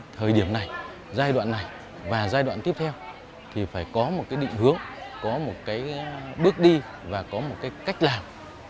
thời điểm này giai đoạn này và giai đoạn tiếp theo thì phải có một định hướng có một bước đi và có một cách làm